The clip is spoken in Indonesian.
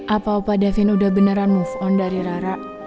apa opa davin sudah beneran move on dari rara